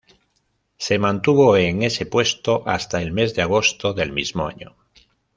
Se mantuvo en ese puesto hasta el mes de agosto del mismo año.